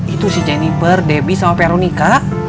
itu si jennifer debbie sama peronika